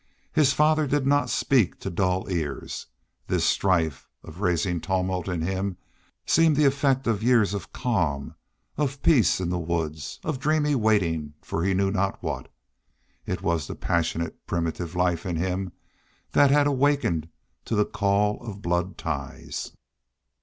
His father did not speak to dull ears. This strife of rising tumult in him seemed the effect of years of calm, of peace in the woods, of dreamy waiting for he knew not what. It was the passionate primitive life in him that had awakened to the call of blood ties.